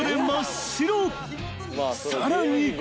［さらに］